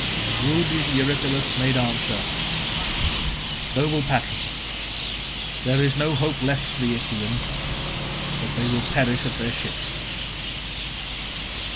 Wounded Eurypylus made answer, "Noble Patroclus, there is no hope left for the Achaeans but they will perish at their ships.